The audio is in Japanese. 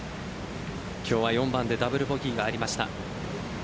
今日は４番でダブルボギーがありました。